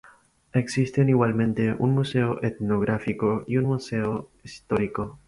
Existen igualmente un Museo Etnográfico y un Museo Histórico.